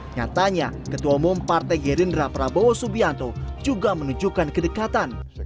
nyatanya ketua umum partai gerindra prabowo subianto juga menunjukkan kedekatan